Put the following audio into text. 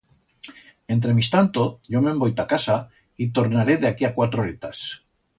Entremistanto yo me'n voi ta casa y tornaré d'aquí a cuatro horetas.